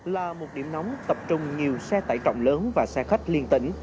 là một điểm nóng tập trung nhiều xe tải trọng lớn và xe khách liên tỉnh